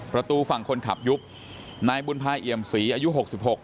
ประตูฝั่งคนขับยุบนายบุญภาเอี่ยมศรีอายุหกสิบหก